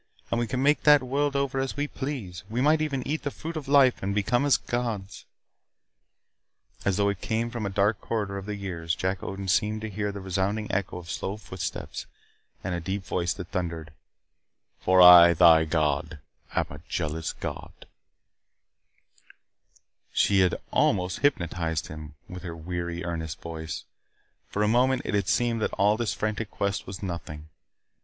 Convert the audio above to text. And we can make that world over as we please. We might even eat of the fruit of life and become as gods " As though it came from the dark corridor of the years, Jack Odin seemed to hear the resounding echo of slow footsteps, and a deep voice that thundered: "For I, thy God, am a jealous God " She had almost hypnotized him with her weary, earnest voice. For a moment, it had seemed that all this frantic quest was nothing.